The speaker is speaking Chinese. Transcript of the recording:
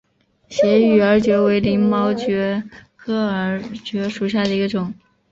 斜羽耳蕨为鳞毛蕨科耳蕨属下的一个种。